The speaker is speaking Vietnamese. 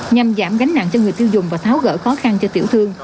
nhằm giảm gánh nặng cho người tiêu dùng và tháo gỡ khó khăn cho tiểu thương